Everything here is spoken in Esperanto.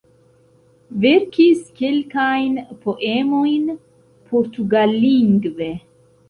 Verkis kelkajn poemojn portugallingve.